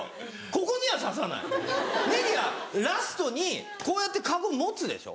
ここにはささないネギはラストにこうやってカゴ持つでしょ。